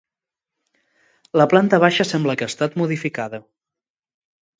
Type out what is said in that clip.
La planta baixa sembla que ha estat modificada.